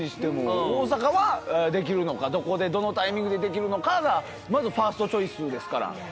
大阪はできるのかどこでどのタイミングでできるのかがまずファーストチョイスですから。